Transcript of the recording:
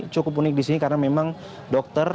cukup unik di sini karena memang dokter